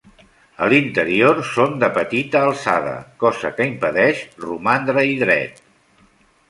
A l'interior són de petita alçada, cosa que impedeix romandre-hi dret.